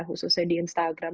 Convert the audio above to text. khususnya di instagram